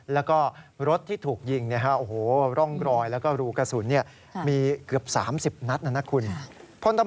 แล้วก็รถที่ถูกยิงเนี่ยฮะ